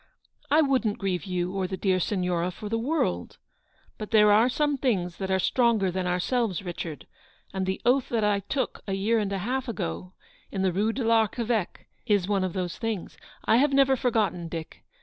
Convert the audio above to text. "I wouldn't grieve you or the dear Signora for the world. But there are some things that are stronger than ourselves, Richard, and the oath that I took a year and a half ago, in the Rue de FArcheveque, is one of those things. I have never forgotten, Dick.